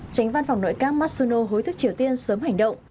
tránh văn phòng nội các matsuno hối thức triều tiên sớm hành động